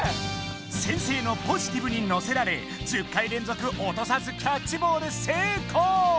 先生のポジティブにのせられ１０回れんぞくおとさずキャッチボール成功！